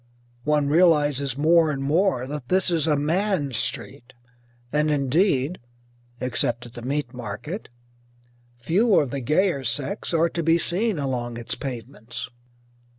One realizes more and more that this is a man's street, and indeed (except at the meat market) few of the gayer sex are to be seen along its pavements.